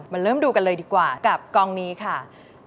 เริ่มดูกันเลยดีกว่ากับกองนี้ค่ะ